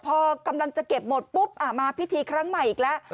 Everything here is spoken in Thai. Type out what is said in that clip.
พอกำลังจะเก็บหมดปุ๊บมาพิธีครั้งใหม่อีกแล้ว